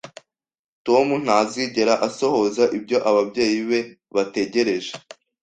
Tom ntazigera asohoza ibyo ababyeyi be bategereje